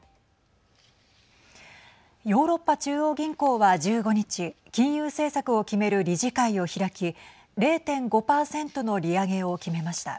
ヨーロッパ中央銀行は１５日金融政策を決める理事会を開き０．５％の利上げを決めました。